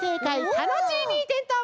タノチーミーてんとう